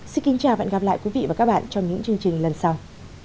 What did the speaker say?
xin kính chào và hẹn gặp lại quý vị và các bạn trong những chương trình lần sau